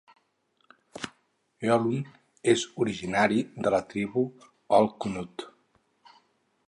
Hoelun és originari de la tribu Olkhunut.